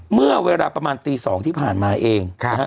เมื่อเวลาประมาณตี๒ที่ผ่านมาเองนะฮะ